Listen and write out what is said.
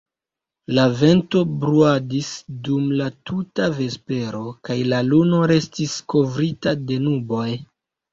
La vento bruadis dum la tuta vespero, kaj la luno restis kovrita de nuboj.